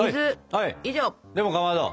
でもかまど。